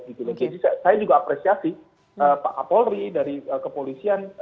jadi saya juga apresiasi pak apolri dari kepolisian